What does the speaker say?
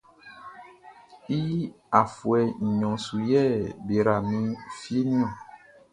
I afuɛ nɲɔn su yɛ be yra mi fieʼn niɔn.